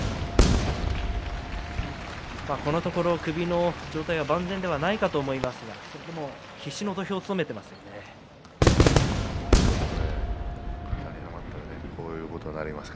このところ首の状態が万全ではないかと思いますが必死の土俵を務めています。